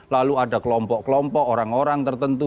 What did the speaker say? lalu ada kelompok kelompok orang orang tertentu